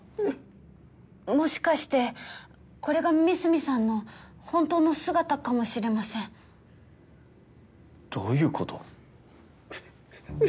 もしかしてこれが美澄さんの本当の姿かもしれませんどういうこと？